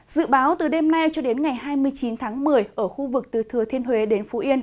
dự báo từ đêm nay cho đến ngày hai mươi chín tháng một mươi ở khu vực từ thừa thiên huế đến phú yên